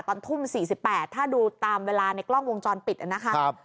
ตอนทุ่ม๔๘ถ้าดูตามเวลาในกล้องวงจรปิดนะครับ